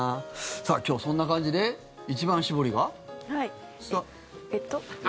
さあ、今日はそんな感じで一番搾りが。